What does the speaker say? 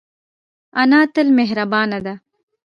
انا تل مهربانه ده